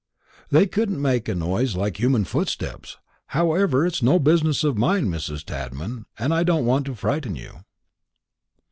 "They couldn't make a noise like human footsteps. However, it's no business of mine, Mrs. Tadman, and I don't want to frighten you."